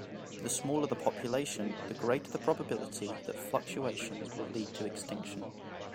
The smaller the population the greater the probability that fluctuations will lead to extinction.